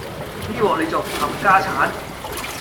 呢鑊你仲唔冚家鏟